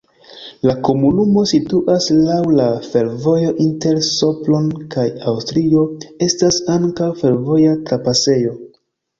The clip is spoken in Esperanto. La komunumo situas laŭ la fervojo inter Sopron kaj Aŭstrio, estas ankaŭ fervoja trapasejo.